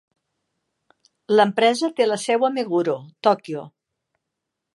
L'empresa té la seu a Meguro, Tòquio.